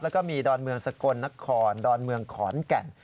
แล้วก็มีดอนเมืองสกลนครดอนเมืองขอนแก่น